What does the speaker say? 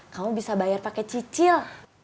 kamu bisa bayar pakai cicil